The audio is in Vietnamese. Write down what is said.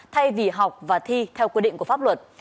thay vì học và thi theo quy định của pháp luật